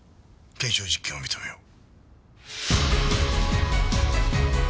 検証実験を認めよう。